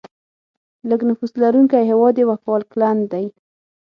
لیږ نفوس لرونکی هیواد یې وفالکلند دی.